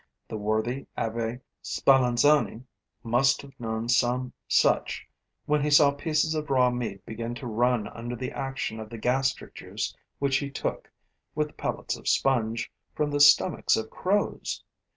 The worthy Abbe Spallanzani must have known some such when he saw pieces of raw meat begin to run under the action of the gastric juice which he took, with pellets of sponge, from the stomachs of crows.